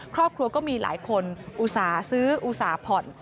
ครอบครัวก็มีหลายคนอุตส่าห์ซื้ออุตส่าห์ผ่อน